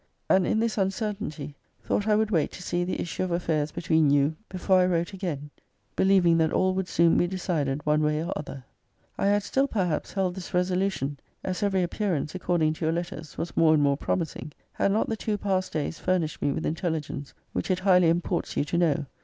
And in this uncer tainty, thought I would wait to see the issue of affairs between you before I wrote again; believing that all would soon be decided one way or other. I had still, perhaps, held this resolution, [as every appearance, according to your letters, was more and more promising,] had not the two passed days fur nished me with intelligence which it highly imports you to know.